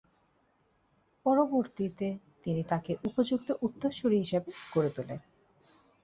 পরবর্তীতে তিনি তাঁকে উপযুক্ত উত্তরসূরি হিসাবে গড়ে তোলেন।